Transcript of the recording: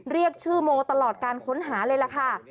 เรียกชื่อโมตลอดการค้นหาเลยล่ะค่ะ